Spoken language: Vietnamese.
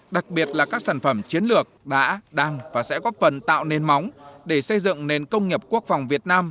đặc biệt là các sản phẩm chiến lược đã đang và sẽ góp phần tạo nền móng để xây dựng nền công nghiệp quốc phòng việt nam